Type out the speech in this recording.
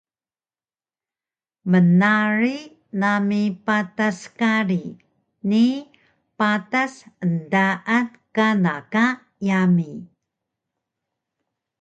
Mnarig nami patas kari ni patas endaan kana ka yami